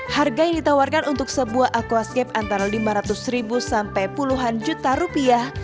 harga yang ditawarkan untuk sebuah aquascape antara lima ratus ribu sampai puluhan juta rupiah